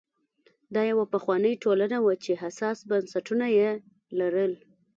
دا یوه پخوانۍ ټولنه وه چې حساس بنسټونه یې لرل.